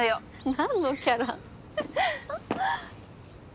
何のキャラ？